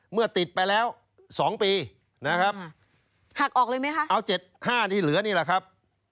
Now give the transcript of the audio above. เมื่อติดไปแล้ว๒ปีนะครับหักออกเลยไหมคะเอา๗๕นี่เหลือนี่แหละครับ